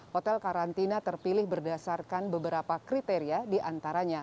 hotel karantina terpilih berdasarkan beberapa kriteria diantaranya